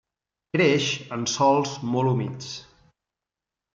Creix en sòls molt humits.